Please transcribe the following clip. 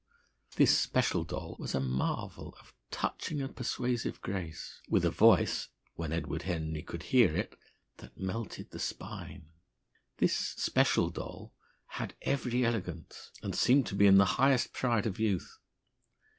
This special doll was a marvel of touching and persuasive grace, with a voice when Edward Henry could hear it that melted the spine. This special doll had every elegance, and seemed to be in the highest pride of youth.